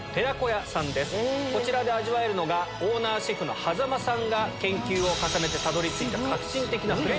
こちらで味わえるのがオーナーシェフの間さんが研究を重ねてたどり着いた。